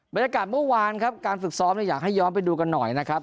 บรรยากาศเมื่อวานครับการฝึกซ้อมอยากให้ย้อนไปดูกันหน่อยนะครับ